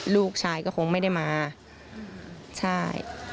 ลูกชายก็คงไม่ได้มาใช่